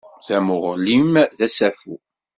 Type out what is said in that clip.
Tamuɣli-m d asafu.